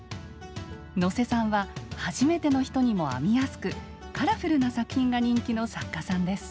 能勢さんは初めての人にも編みやすくカラフルな作品が人気の作家さんです。